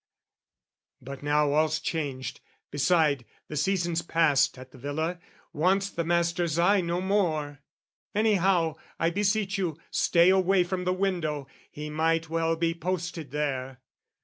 "But now all's changed: beside, the season's past "At the villa, wants the master's eye no more. "Anyhow, I beseech you, stay away "From the window! He might well be posted there."